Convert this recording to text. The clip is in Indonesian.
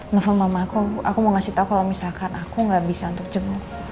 nelfon mama aku aku mau ngasih tau kalo misalkan aku gak bisa untuk jenguk